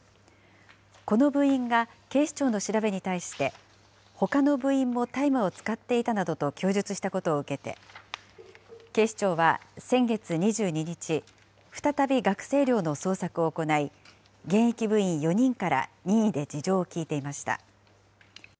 この部員が警視庁の調べに対して、ほかの部員も大麻を使っていたなどと供述したことを受けて、警視庁は先月２２日、再び学生寮の捜索を行い、現役部員４人から任意で事情を聴いていました。